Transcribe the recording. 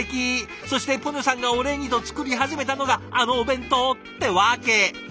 そしてポニョさんがお礼にと作り始めたのがあのお弁当ってわけ。